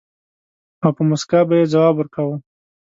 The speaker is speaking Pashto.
او په مُسکا به يې ځواب ورکاوه.